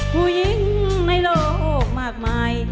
ผู้หญิงในโลกมากมาย